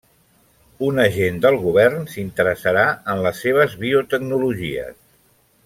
Un agent del govern s'interessarà en les seves biotecnologies.